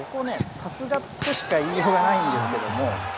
さすがとしか言いようがないんですけど。